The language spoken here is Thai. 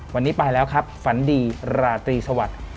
วันนี้ไปแล้วครับฝันดีราตรีสวัสดิ์